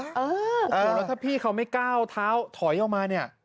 แล้วถ้าพี่เขาไม่ก้าวเท้าถอยออกมาเนี่ย